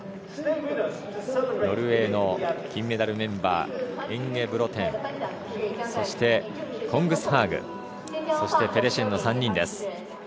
ノルウェーの金メダルメンバーエンゲブロテンそして、コングスハーグそしてペデシェンの３人です。